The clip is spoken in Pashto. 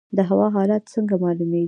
د هوا حالات څنګه معلومیږي؟